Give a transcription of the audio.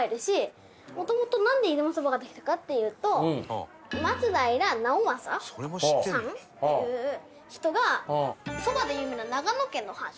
元々なんで出雲そばができたかっていうと松平直政さんっていう人がそばで有名な長野県の藩主だった。